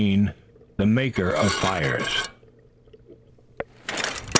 THE MAKER OF FIRES.